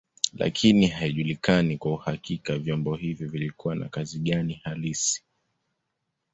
Lakini haijulikani kwa uhakika vyombo hivyo vilikuwa na kazi gani hali halisi.